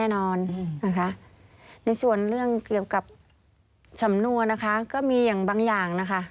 แน่นอนนะคะในส่วนเรื่องเกี่ยวกับสำนวนนะคะก็มีอย่างบางอย่างนะคะ